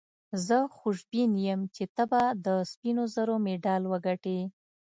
زه خوشبین یم چي ته به د سپینو زرو مډال وګټې.